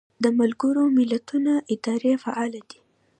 د ملګرو ملتونو ادارې فعالې دي